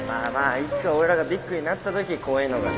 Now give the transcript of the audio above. いつか俺らがビッグになったときこういうのがね